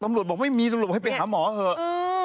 ตำรวจบอกไม่มีตำรวจให้ไปหาหมอเหอะ